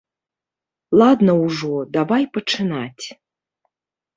Ладна ўжо, давай пачынаць.